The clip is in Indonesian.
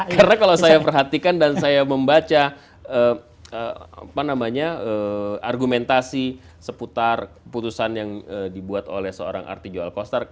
karena kalau saya perhatikan dan saya membaca argumentasi seputar putusan yang dibuat oleh seorang arti jual kostar